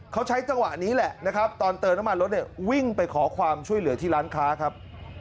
เขาใช้จังหวะนี้แหละนะครับตอนเติมน้ำมันรถเนี่ยวิ่งไปขอความช่วยเหลือที่ร้านค้าครับ